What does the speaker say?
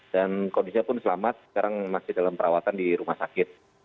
dan kondisinya pun selamat sekarang masih dalam perawatan di rumah sakit